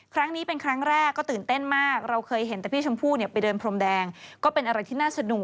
ครั้งนี้เป็นครั้งแรกก็ตื่นเต้นมากเราเคยเห็นแต่พี่ชมพู่เนี่ยไปเดินพรมแดงก็เป็นอะไรที่น่าสนุก